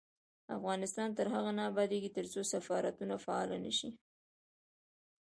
افغانستان تر هغو نه ابادیږي، ترڅو سفارتونه فعال نشي.